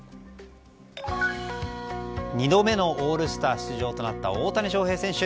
２度目のオールスター出場となった大谷翔平選手。